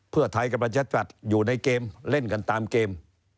เพื่อไทยกับประชากรอยู่ในเกมเล่นกันตามเกม